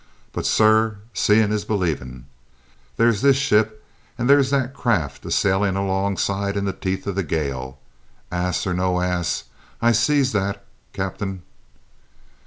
"But, sir, seein' is believin'. There's this ship an' there's that there craft a sailin' alongside in the teeth o' the gale. Hass or no hass, I sees that, captain!"